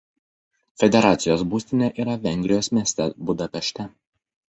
Federacijos būstinė yra Vengrijos mieste Budapešte.